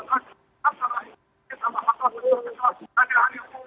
apa yang dilakukan oleh aparat di qatar